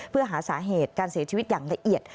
เพื่อหาสาเหตุการเสียชีวิตอย่างละเอียด